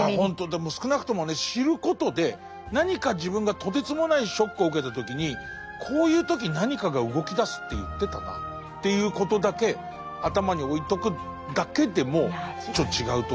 でも少なくともね知ることで何か自分がとてつもないショックを受けた時にこういう時何かが動きだすって言ってたなっていうことだけ頭に置いとくだけでもちょっと違うと思いますからね。